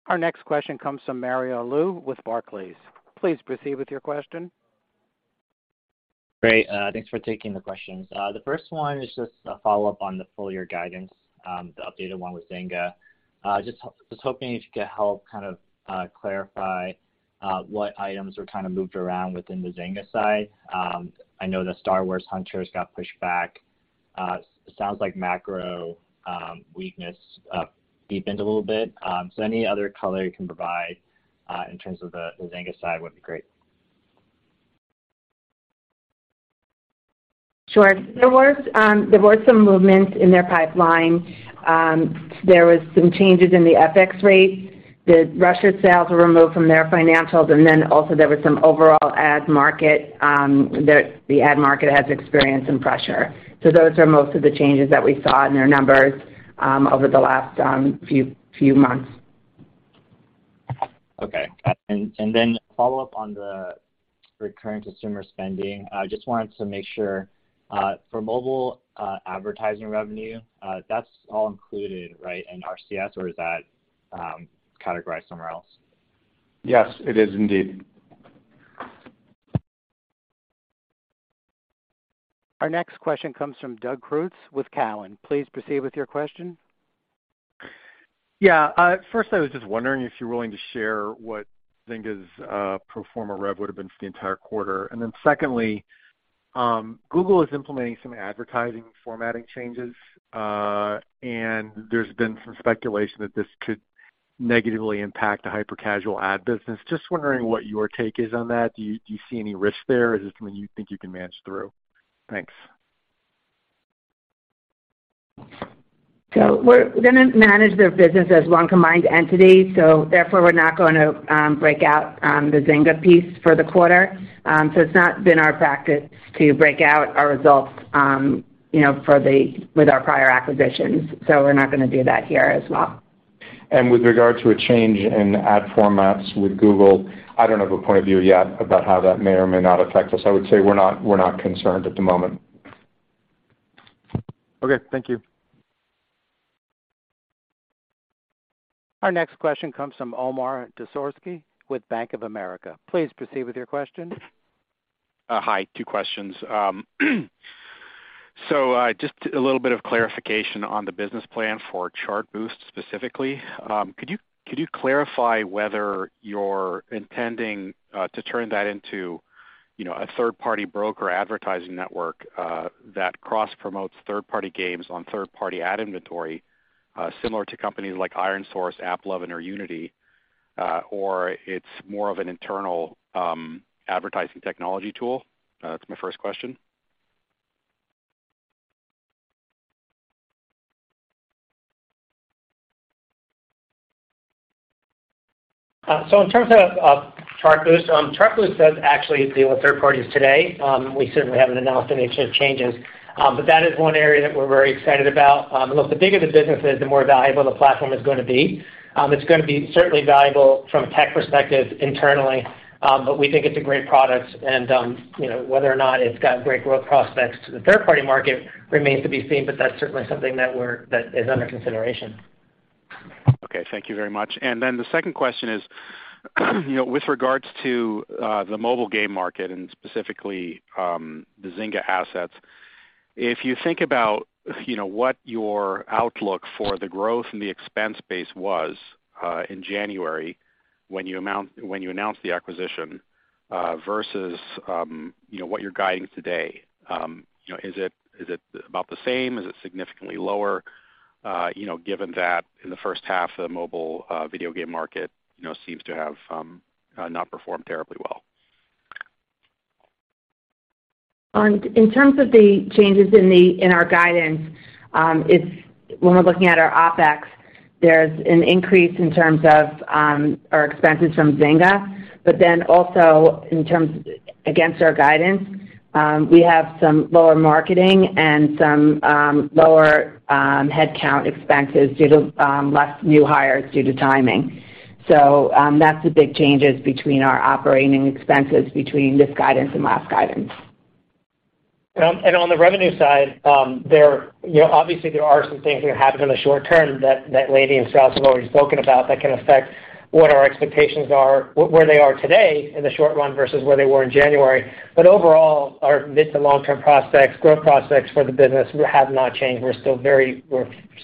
Our next question comes from Mario Lu with Barclays. Please proceed with your question. Great. Thanks for taking the questions. The first one is just a follow-up on the full year guidance, the updated one with Zynga. Just hoping if you could help kind of clarify what items were kind of moved around within the Zynga side. I know the Star Wars: Hunters got pushed back. It sounds like macro weakness deepened a little bit. Any other color you can provide in terms of the Zynga side would be great. Sure. There was some movement in their pipeline. There was some changes in the FX rate. The Russia sales were removed from their financials, and then also there was some overall ad market, the ad market has experienced some pressure. Those are most of the changes that we saw in their numbers over the last few months. Okay. Then a follow-up on the recurring consumer spending. I just wanted to make sure, for mobile, advertising revenue, that's all included, right, in RCS, or is that categorized somewhere else? Yes, it is indeed. Our next question comes from Doug Creutz with Cowen. Please proceed with your question. Yeah. First I was just wondering if you're willing to share what Zynga's pro forma rev would've been for the entire quarter. Secondly, Google is implementing some advertising formatting changes, and there's been some speculation that this could negatively impact the hyper-casual ad business. Just wondering what your take is on that. Do you see any risk there or is this something you think you can manage through? Thanks. We're gonna manage their business as one combined entity. Therefore, we're not gonna break out the Zynga piece for the quarter. It's not been our practice to break out our results, you know, with our prior acquisitions. We're not gonna do that here as well. With regard to a change in ad formats with Google, I don't have a point of view yet about how that may or may not affect us. I would say we're not concerned at the moment. Okay, thank you. Our next question comes from Omar Dessouky with Bank of America. Please proceed with your question. Hi. Two questions. Just a little bit of clarification on the business plan for Chartboost specifically. Could you clarify whether you're intending to turn that into, you know, a third-party broker advertising network that cross-promotes third-party games on third-party ad inventory, similar to companies like ironSource, AppLovin or Unity, or it's more of an internal advertising technology tool? That's my first question. In terms of Chartboost does actually deal with third parties today. We certainly haven't announced any changes. That is one area that we're very excited about. Look, the bigger the business is, the more valuable the platform is gonna be. It's gonna be certainly valuable from a tech perspective internally, but we think it's a great product and, you know, whether or not it's got great growth prospects to the third-party market remains to be seen, but that's certainly something that is under consideration. Okay, thank you very much. The second question is, you know, with regards to the mobile game market and specifically the Zynga assets, if you think about, you know, what your outlook for the growth in the expense base was in January when you announced the acquisition versus, you know, what you're guiding today, you know, is it about the same? Is it significantly lower, you know, given that in the first half of the mobile video game market, you know, seems to have not performed terribly well? In terms of the changes in our guidance, it's when we're looking at our OpEx, there's an increase in terms of our expenses from Zynga. Also in terms of our guidance, we have some lower marketing and some lower headcount expenses due to less new hires due to timing. That's the big changes between our operating expenses between this guidance and last guidance. On the revenue side, you know, obviously there are some things that can happen in the short term that Lainie and Strauss have already spoken about that can affect what our expectations are, where they are today in the short run versus where they were in January. Overall, our mid to long-term prospects, growth prospects for the business have not changed. We're still very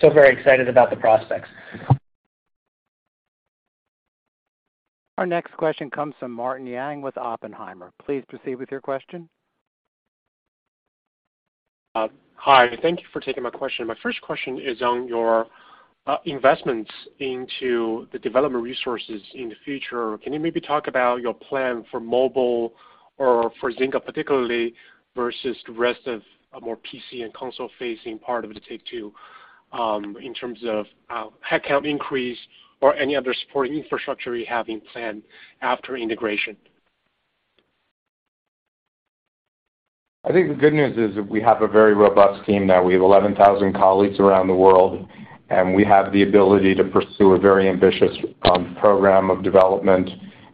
excited about the prospects. Our next question comes from Martin Yang with Oppenheimer. Please proceed with your question. Hi. Thank you for taking my question. My first question is on your investments into the development resources in the future. Can you maybe talk about your plan for mobile or for Zynga particularly versus the rest of a more PC and console-facing part of the Take-Two, in terms of headcount increase or any other supporting infrastructure you have in plan after integration? I think the good news is that we have a very robust team now. We have 11,000 colleagues around the world, and we have the ability to pursue a very ambitious program of development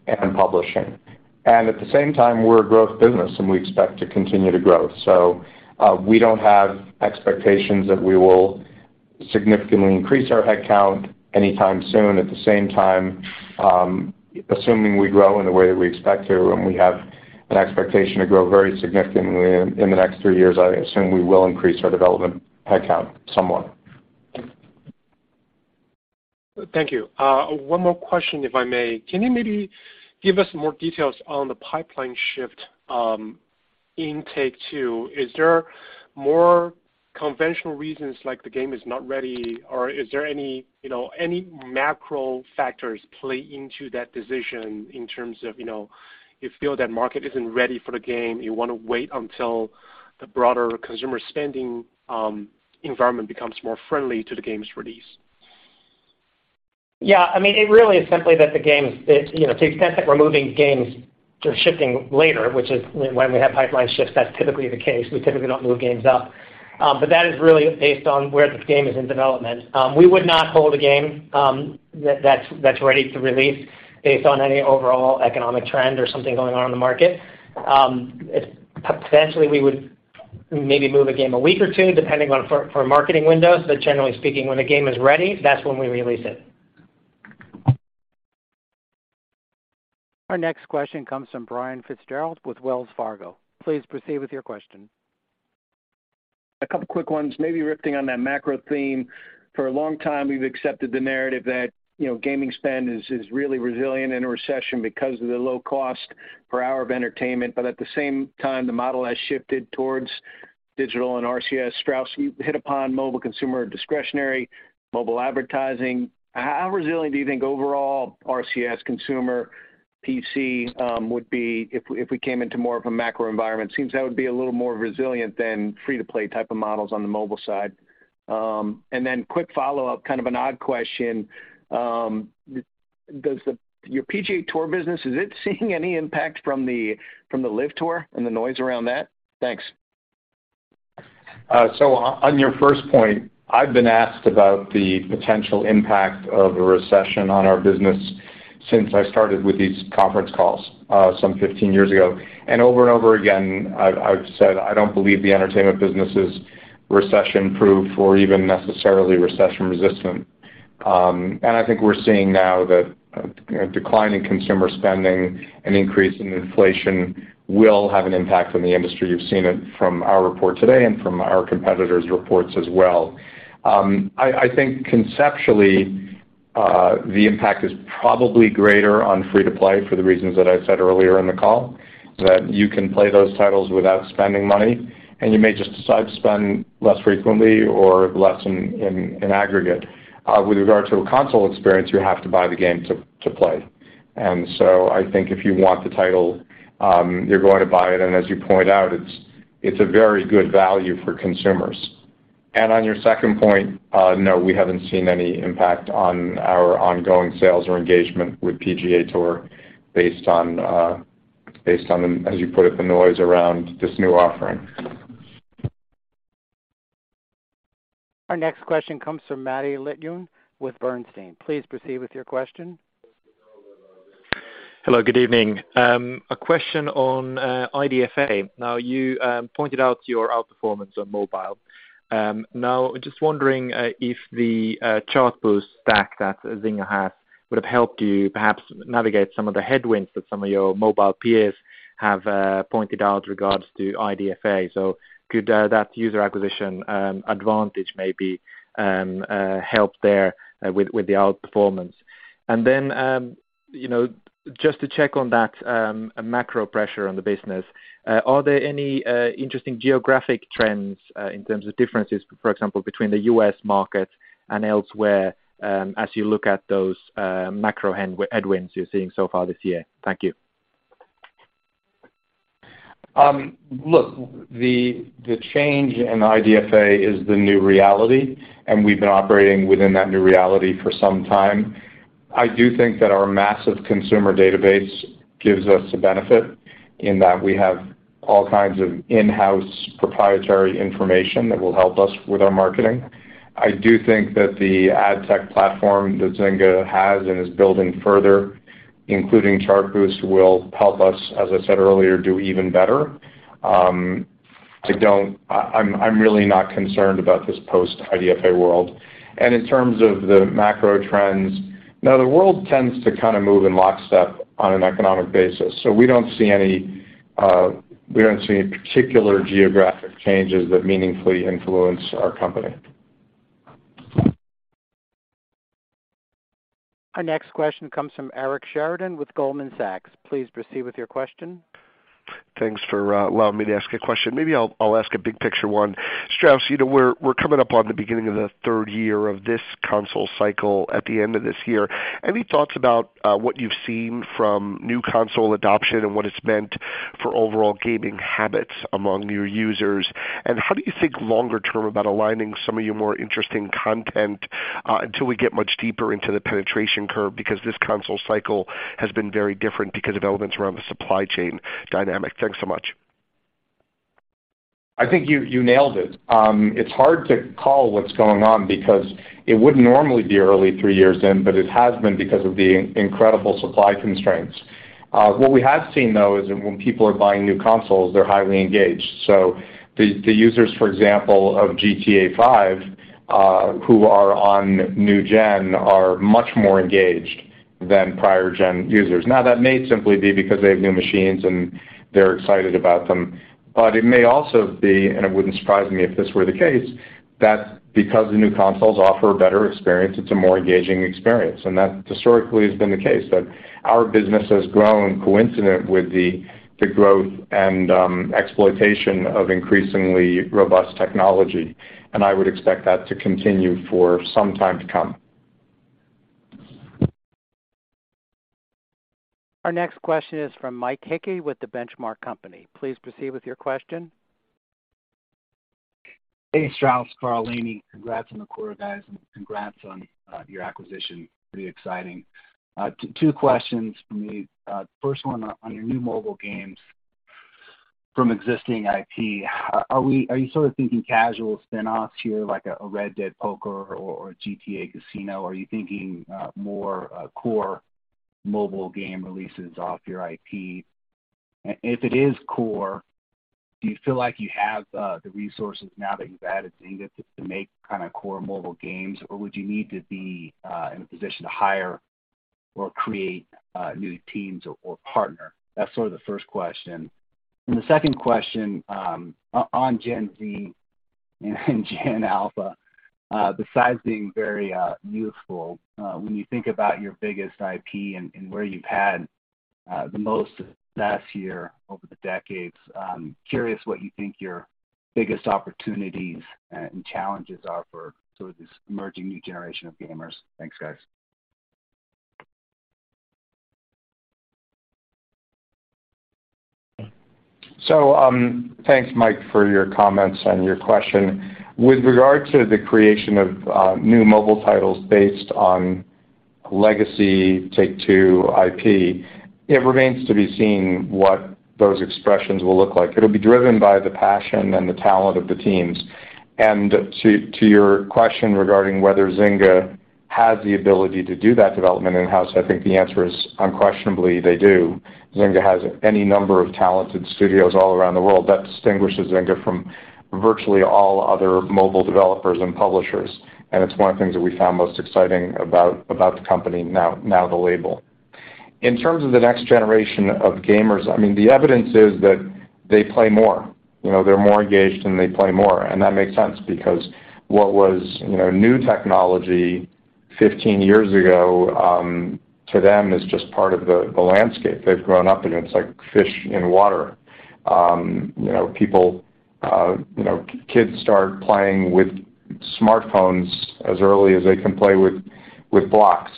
and publishing. At the same time, we're a growth business, and we expect to continue to grow. We don't have expectations that we will significantly increase our headcount anytime soon. At the same time, assuming we grow in the way that we expect to, and we have an expectation to grow very significantly in the next three years, I assume we will increase our development headcount somewhat. Thank you. One more question, if I may. Can you maybe give us more details on the pipeline shift in Take-Two? Is there more conventional reasons like the game is not ready? Or is there any, you know, any macro factors play into that decision in terms of, you know, you feel that market isn't ready for the game, you wanna wait until the broader consumer spending environment becomes more friendly to the game's release? Yeah. I mean, it really is simply that the games, you know, to the extent that we're moving games to shifting later, which is when we have pipeline shifts, that's typically the case. We typically don't move games up. That is really based on where the game is in development. We would not hold a game that's ready to release based on any overall economic trend or something going on in the market. Potentially we would maybe move a game a week or two depending on for marketing windows. Generally speaking, when the game is ready, that's when we release it. Our next question comes from Brian Fitzgerald with Wells Fargo. Please proceed with your question. A couple of quick ones, maybe rifting on that macro theme. For a long time, we've accepted the narrative that, you know, gaming spend is really resilient in a recession because of the low cost per hour of entertainment. At the same time, the model has shifted towards digital and RCS. Strauss, you hit upon mobile consumer discretionary. Mobile advertising. How resilient do you think overall RCS consumer PC would be if we came into more of a macro environment? Seems that would be a little more resilient than free-to-play type of models on the mobile side. Quick follow-up, kind of an odd question. Does your PGA Tour business see any impact from the LIV Golf and the noise around that? Thanks. On your first point, I've been asked about the potential impact of a recession on our business since I started with these conference calls some 15 years ago. Over and over again, I've said I don't believe the entertainment business is recession-proof or even necessarily recession-resistant. I think we're seeing now that a decline in consumer spending and increase in inflation will have an impact on the industry. You've seen it from our report today and from our competitors' reports as well. I think conceptually, the impact is probably greater on free-to-play for the reasons that I said earlier in the call, that you can play those titles without spending money, and you may just decide to spend less frequently or less in aggregate. With regard to a console experience, you have to buy the game to play. I think if you want the title, you're going to buy it. As you point out, it's a very good value for consumers. On your second point, no, we haven't seen any impact on our ongoing sales or engagement with PGA Tour based on, as you put it, the noise around this new offering. Our next question comes from Matti Littunen with Bernstein. Please proceed with your question. Hello, good evening. A question on IDFA. Now, you pointed out your outperformance on mobile. Now just wondering if the Chartboost stack that Zynga has would have helped you perhaps navigate some of the headwinds that some of your mobile peers have pointed out regards to IDFA. Could that user acquisition advantage maybe help there with the outperformance? You know, just to check on that macro pressure on the business, are there any interesting geographic trends in terms of differences, for example, between the U.S. market and elsewhere, as you look at those macro headwinds you're seeing so far this year? Thank you. Look, the change in IDFA is the new reality, and we've been operating within that new reality for some time. I do think that our massive consumer database gives us a benefit in that we have all kinds of in-house proprietary information that will help us with our marketing. I do think that the ad tech platform that Zynga has and is building further, including Chartboost, will help us, as I said earlier, do even better. I'm really not concerned about this post-IDFA world. In terms of the macro trends, now the world tends to kind of move in lockstep on an economic basis. We don't see any particular geographic changes that meaningfully influence our company. Our next question comes from Eric Sheridan with Goldman Sachs. Please proceed with your question. Thanks for allowing me to ask a question. Maybe I'll ask a big picture one. Strauss, you know, we're coming up on the beginning of the third year of this console cycle at the end of this year. Any thoughts about what you've seen from new console adoption and what it's meant for overall gaming habits among your users? How do you think longer term about aligning some of your more interesting content until we get much deeper into the penetration curve? Because this console cycle has been very different because of elements around the supply chain dynamic. Thanks so much. I think you nailed it. It's hard to call what's going on because it wouldn't normally be early three years in, but it has been because of the incredible supply constraints. What we have seen, though, is that when people are buying new consoles, they're highly engaged. So the users, for example, of GTA five, who are on new gen are much more engaged than prior gen users. Now, that may simply be because they have new machines and they're excited about them. But it may also be, and it wouldn't surprise me if this were the case, that because the new consoles offer a better experience, it's a more engaging experience. That historically has been the case, that our business has grown coincident with the growth and exploitation of increasingly robust technology. I would expect that to continue for some time to come. Our next question is from Mike Hickey with The Benchmark Company. Please proceed with your question. Hey, Strauss, Karl, Lainey. Congrats on the quarter, guys, and congrats on your acquisition. Pretty exciting. Two questions from me. First one, on your new mobile games from existing IP, are you sort of thinking casual spinoffs here like a Red Dead Poker or GTA Casino? Are you thinking more core mobile game releases off your IP? If it is core, do you feel like you have the resources now that you've added Zynga to make kind of core mobile games? Or would you need to be in a position to hire or create new teams or partner? That's sort of the first question. The second question, on Gen Z and Gen Alpha, besides being very youthful, when you think about your biggest IP and where you've had Curious what you think your biggest opportunities and challenges are for sort of this emerging new generation of gamers? Thanks, guys. Thanks, Mike, for your comments and your question. With regard to the creation of new mobile titles based on legacy Take-Two IP, it remains to be seen what those expressions will look like. It'll be driven by the passion and the talent of the teams. To your question regarding whether Zynga has the ability to do that development in-house, I think the answer is unquestionably they do. Zynga has any number of talented studios all around the world. That distinguishes Zynga from virtually all other mobile developers and publishers, and it's one of the things that we found most exciting about the company now the label. In terms of the next generation of gamers, I mean, the evidence is that they play more. You know, they're more engaged, and they play more. That makes sense because what was new technology 15 years ago to them is just part of the landscape. They've grown up, and it's like fish in water. You know, people, kids start playing with smartphones as early as they can play with blocks.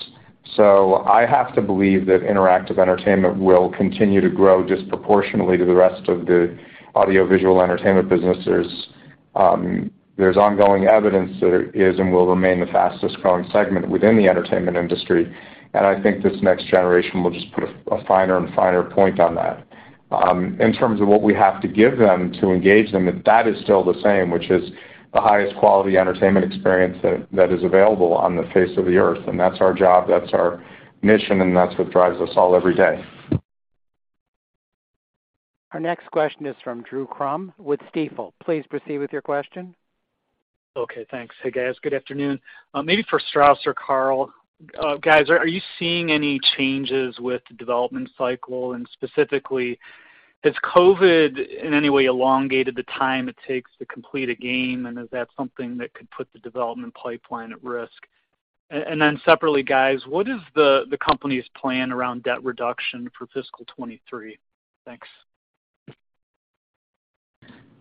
I have to believe that interactive entertainment will continue to grow disproportionately to the rest of the audiovisual entertainment businesses. There's ongoing evidence that it is and will remain the fastest-growing segment within the entertainment industry, and I think this next generation will just put a finer and finer point on that. In terms of what we have to give them to engage them, that is still the same, which is the highest quality entertainment experience that is available on the face of the earth. That's our job, that's our mission, and that's what drives us all every day. Our next question is from Drew Crum with Stifel. Please proceed with your question. Okay, thanks. Hey, guys. Good afternoon. Maybe for Strauss or Karl. Guys, are you seeing any changes with the development cycle, and specifically, has COVID in any way elongated the time it takes to complete a game, and is that something that could put the development pipeline at risk? Separately, guys, what is the company's plan around debt reduction for fiscal 2023? Thanks.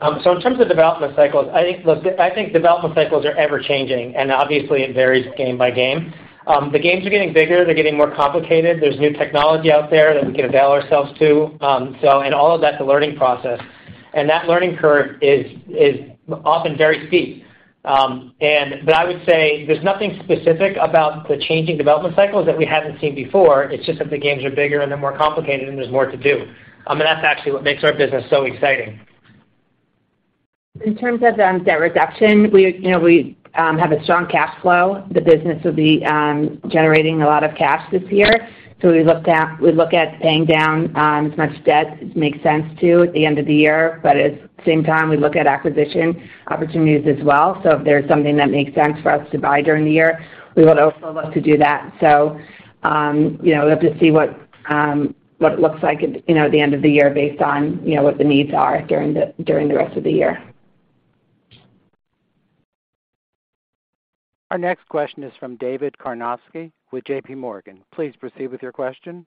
In terms of development cycles, I think, look, I think development cycles are ever-changing, and obviously, it varies game by game. The games are getting bigger. They're getting more complicated. There's new technology out there that we can avail ourselves to. In all of that, the learning process and that learning curve is often very steep. I would say there's nothing specific about the changing development cycles that we haven't seen before. It's just that the games are bigger and they're more complicated and there's more to do. That's actually what makes our business so exciting. In terms of debt reduction, we have a strong cash flow. The business will be generating a lot of cash this year. We look at paying down as much debt as makes sense to at the end of the year. At the same time, we look at acquisition opportunities as well. We'll have to see what it looks like at the end of the year based on what the needs are during the rest of the year. Our next question is from David Karnovsky with JPMorgan. Please proceed with your question.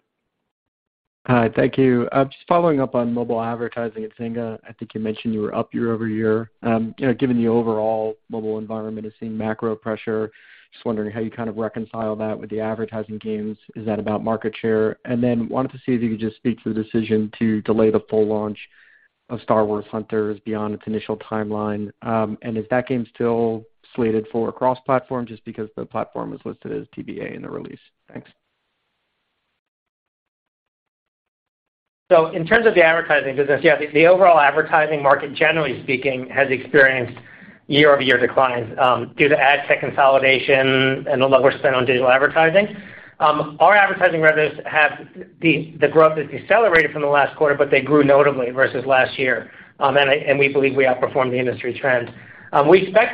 Hi. Thank you. Just following up on mobile advertising at Zynga. I think you mentioned you were up year over year. You know, given the overall mobile environment is seeing macro pressure, just wondering how you kind of reconcile that with the advertising gains. Is that about market share? Wanted to see if you could just speak to the decision to delay the full launch of Star Wars: Hunters beyond its initial timeline. Is that game still slated for cross-platform just because the platform is listed as TBA in the release? Thanks. In terms of the advertising business, yeah, the overall advertising market, generally speaking, has experienced year-over-year declines due to ad tech consolidation and the lower spend on digital advertising. Our advertising revenues, the growth has decelerated from the last quarter, but they grew notably versus last year. We believe we outperformed the industry trend. We expect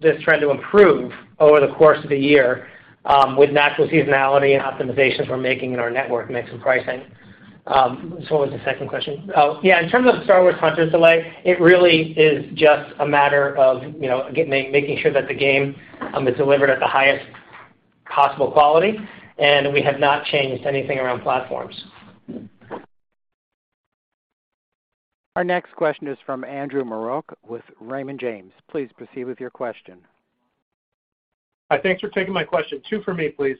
this trend to improve over the course of the year with natural seasonality and optimizations we're making in our network mix and pricing. What was the second question? Oh, yeah, in terms of Star Wars: Hunters delay, it really is just a matter of, you know, making sure that the game is delivered at the highest possible quality, and we have not changed anything around platforms. Our next question is from Andrew Marok with Raymond James. Please proceed with your question. Thanks for taking my question. Two for me, please.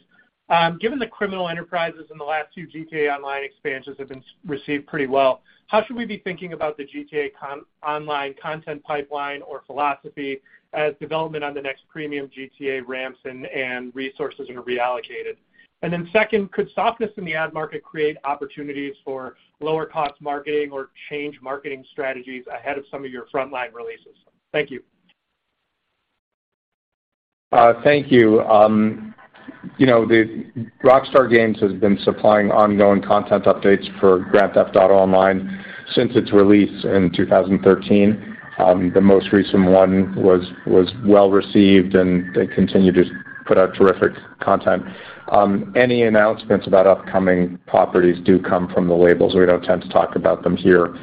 Given The Criminal Enterprises in the last two GTA Online expansions have been received pretty well, how should we be thinking about the GTA online content pipeline or philosophy as development on the next premium GTA ramps and resources are reallocated? Then second, could softness in the ad market create opportunities for lower cost marketing or change marketing strategies ahead of some of your frontline releases? Thank you. Thank you. You know, Rockstar Games has been supplying ongoing content updates for Grand Theft Auto Online since its release in 2013. The most recent one was well-received, and they continue to put out terrific content. Any announcements about upcoming properties do come from the labels. We don't tend to talk about them here.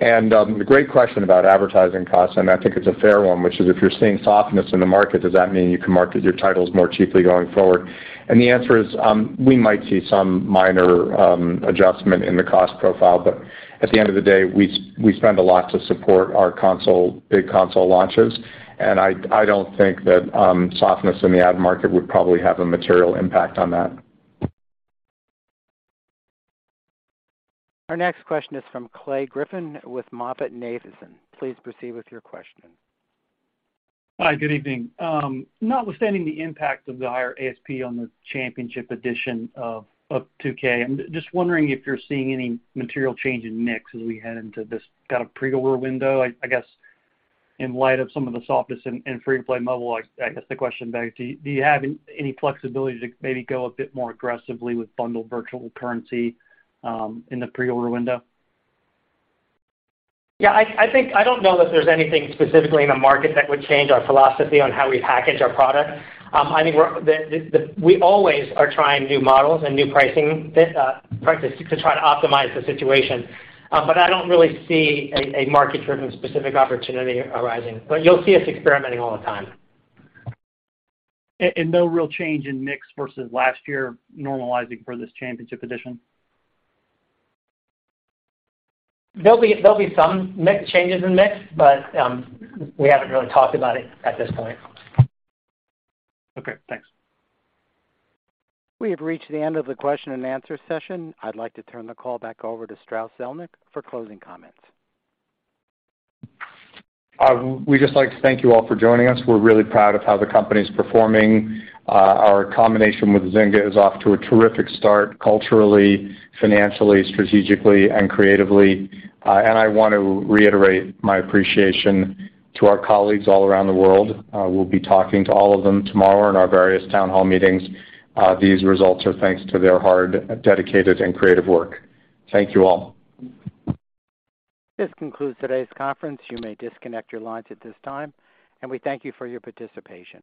The great question about advertising costs, and I think it's a fair one, which is if you're seeing softness in the market, does that mean you can market your titles more cheaply going forward? The answer is, we might see some minor adjustment in the cost profile. At the end of the day, we spend a lot to support our console, big console launches, and I don't think that softness in the ad market would probably have a material impact on that. Our next question is from Clay Griffin with MoffettNathanson. Please proceed with your question. Hi, good evening. Notwithstanding the impact of the higher ASP on the Championship Edition of 2K, I'm just wondering if you're seeing any material change in mix as we head into this kind of pre-order window. I guess in light of some of the softness in free-to-play mobile, I guess the question begs, do you have any flexibility to maybe go a bit more aggressively with bundled virtual currency in the pre-order window? Yeah, I think I don't know that there's anything specifically in the market that would change our philosophy on how we package our product. I think. We always are trying new models and new pricing practices to try to optimize the situation. I don't really see a market-driven specific opportunity arising. You'll see us experimenting all the time. No real change in mix versus last year normalizing for this Championship Edition? There'll be some mix changes in mix, but we haven't really talked about it at this point. Okay, thanks. We have reached the end of the question and answer session. I'd like to turn the call back over to Strauss Zelnick for closing comments. We'd just like to thank you all for joining us. We're really proud of how the company's performing. Our combination with Zynga is off to a terrific start culturally, financially, strategically, and creatively. I want to reiterate my appreciation to our colleagues all around the world. We'll be talking to all of them tomorrow in our various town hall meetings. These results are thanks to their hard, dedicated, and creative work. Thank you all. This concludes today's conference. You may disconnect your lines at this time, and we thank you for your participation.